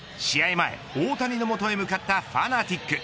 前、大谷の元へ向かったファナティック。